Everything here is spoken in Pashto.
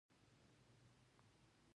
اکتوبر میاشت باید ډېره ښکلې وي.